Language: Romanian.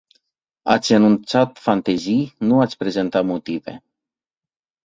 Ați enunțat fantezii, nu ați prezentat motive.